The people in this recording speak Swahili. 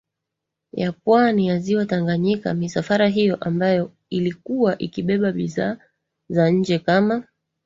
ya pwani na Ziwa Tanganyika Misafara hiyo ambayo ilikuwa ikibeba bidhaa za nje kama